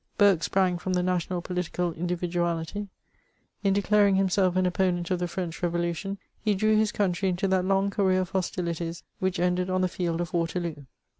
Burke sprang &om the national political individuality ; in declaring himself an opponent of the French Revolution, he drew his country into that long career of hostilities which ended on the field of Waterloo.